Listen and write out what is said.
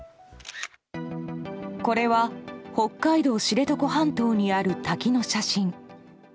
これは北海道知床半島にある滝の写真。